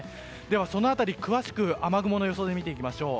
その辺り、詳しく雨雲の予想で見ていきます。